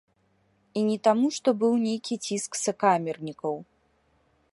І не таму, што быў нейкі ціск сакамернікаў.